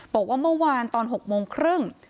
บอกว่าเมื่อวานตอน๖โมงครึ่ง